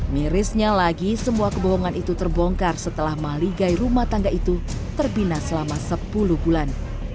mirisnya lagi semua kebohongan itu terbongkar setelah maligai rumah tangga itu terbina selama sepuluh bulan